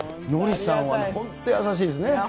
ノリさんは本当、優しいですね。